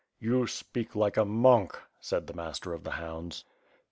"You speak like a monk," said the Master of the Hounds.